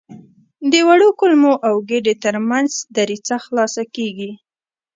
د وړو کولمو او ګیدې تر منځ دریڅه خلاصه کېږي.